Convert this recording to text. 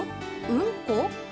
うんこ？